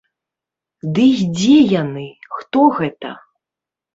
Ды і дзе яны, хто гэта?!